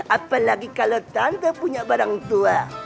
apalagi kalau tante punya barang tua